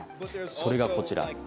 それがこちら。